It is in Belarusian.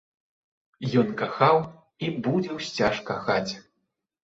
Ён кахаў і будзе ўсцяж кахаць.